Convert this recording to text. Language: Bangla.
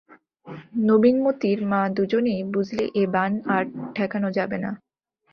নবীন মোতির মা দুজনেই বুঝলে এ বান আর ঠেকানো যাবে না।